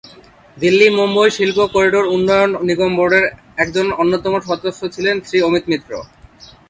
দিল্লি-মুম্বই শিল্প করিডোর উন্নয়ন নিগম বোর্ডের একজন অন্যতম সদস্য ছিলেন শ্রী অমিত মিত্র।